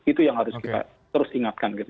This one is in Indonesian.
itu yang harus kita terus ingatkan gitu